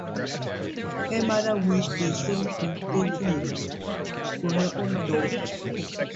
Her mother wished the same good fortune for her own daughter.